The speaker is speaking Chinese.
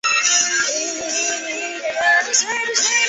圣阿莱舒是葡萄牙波塔莱格雷区的一个堂区。